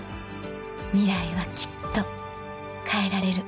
ミライはきっと変えられる